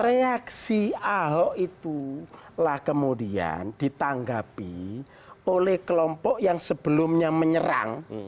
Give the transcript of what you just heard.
reaksi ahok itulah kemudian ditanggapi oleh kelompok yang sebelumnya menyerang